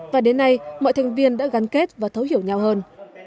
và đến nay mọi thành viên đã gắn kết và thấu hiểu nhau hơn